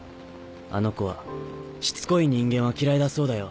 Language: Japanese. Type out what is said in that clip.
あの子はしつこい人間は嫌いだそうだよ。